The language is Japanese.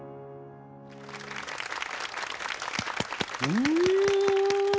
うん！